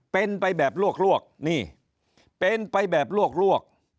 เป็นไปแบบลวกนี่เป็นไปแบบลวก